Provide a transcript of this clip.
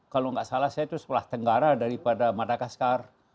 kalau tidak salah saya itu sepulah tenggara daripada madagaskar